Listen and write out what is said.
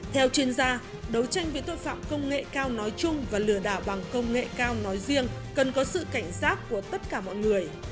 theo chuyên gia đấu tranh với tội phạm công nghệ cao nói chung và lừa đảo bằng công nghệ cao nói riêng cần có sự cảnh giác của tất cả mọi người